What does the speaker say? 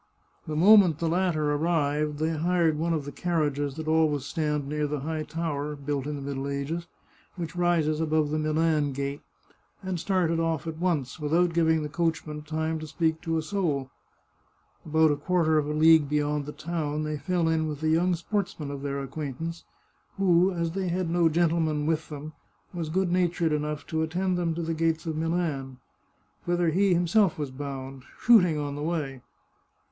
The moment the latter ar rived, they hired one of the carriages that always stand near 8i The Chartreuse of Parma the high tower, built in the middle ages, which rises above the Milan gate, and started off at once, without giving the coachman time to speak to a soul. About a quarter of a league beyond the town, they fell in with a young sportsman of their acquaintance, who, as they had no gentleman with them, was good natured enough to attend them to the gates of Milan, whither he himself was bound, shooting on the way.